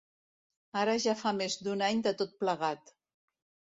Ara ja fa més d’un any de tot plegat.